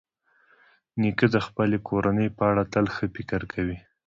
نیکه د خپلې کورنۍ په اړه تل ښه فکر کوي.